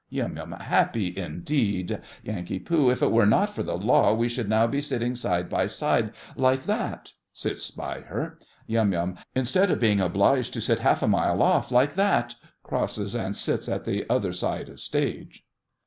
YUM. Happy indeed! NANK. If it were not for the law, we should now be sitting side by side, like that. (Sits by her.) YUM. Instead of being obliged to sit half a mile off, like that. (Crosses and sits at other side of stage.)